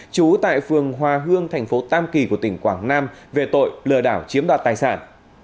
trú tại phường hòa hương thành phố tam kỳ của tỉnh quảng nam về tội lừa đảo chiếm đoạt tài sản